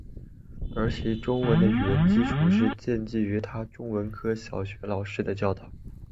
而其中文的语文基础是建基于他中文科小学老师的教导。